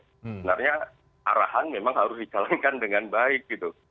sebenarnya arahan memang harus dijalankan dengan baik gitu